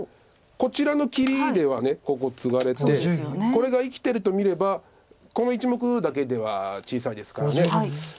こちらの切りではここツガれてこれが生きてると見ればこの１目だけでは小さいですから。